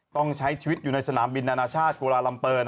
ต้องใช้ชีวิตอยู่ในสนามบินนานาชาติกุลาลัมเปอร์